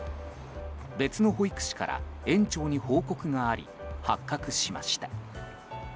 別の保育士から園長に報告があり発覚しました。